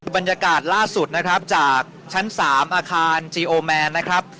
บรรยากาศล่าสุดนะครับจากชั้นสามอาคารนะครับ